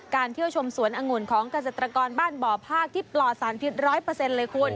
การเที่ยวชมสวนองุ่นของกษัตริยากรบ้านบ่อภาคที่ปลอดสารที่ร้อยเปอร์เซ็นต์เลยคุณ